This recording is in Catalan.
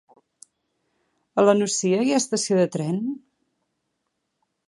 A la Nucia hi ha estació de tren?